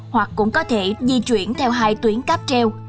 hoặc cũng có thể di chuyển theo hai tuyến cáp treo